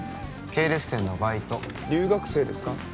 系列店のバイト留学生ですか？